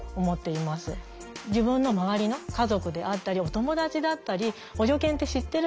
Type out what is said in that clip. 自分の周りの家族であったりお友達だったり補助犬って知ってる？